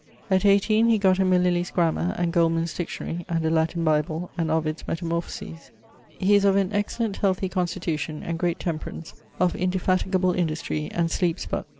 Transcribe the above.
At 18 he gott him a Lillie's grammar, and Goldman's dictionary, and a Latin bible, and Ovid's Metamorphoses. He is of an excellent healthy constitution and great temperance, of indefatigable industrie, and sleepes but